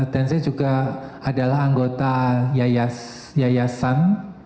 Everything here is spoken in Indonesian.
dan saya juga adalah anggota yayasan